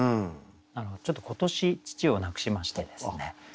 ちょっと今年父を亡くしましてですね